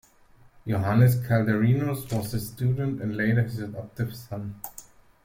Johannes Calderinus was his student and later his adoptive son.